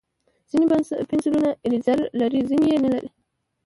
ځینې پنسلونه ایریزر لري، ځینې یې نه لري.